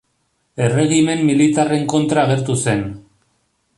Erregimen militarren kontra agertu zen.